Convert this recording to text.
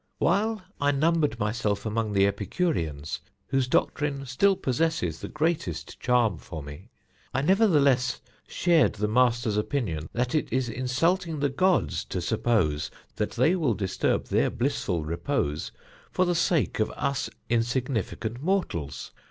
"While I numbered myself among the Epicureans, whose doctrine still possesses the greatest charm for me, I nevertheless shared the master's opinion that it is insulting the gods to suppose that they will disturb their blissful repose for the sake of us insignificant mortals.